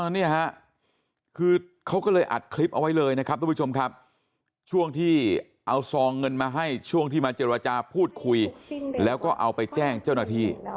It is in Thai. นี่ฮะคือเขาก็เลยอัดคลิปเอาไว้เลยนะครับทุกผู้ชมครับช่วงที่เอาซองเงินมาให้ช่วงที่มาเจรจาพูดคุยแล้วก็เอาไปแจ้งเจ้าหน้าที่